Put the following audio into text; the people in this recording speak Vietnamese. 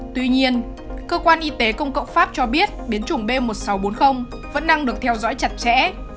tuy nhiên cơ quan y tế công cộng pháp cho biết biến chủng b một nghìn sáu trăm bốn mươi vẫn đang được theo dõi chặt chẽ